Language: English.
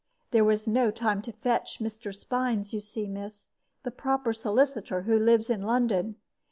There was no time to fetch Mr. Spines, you see, miss, the proper solicitor, who lives in London.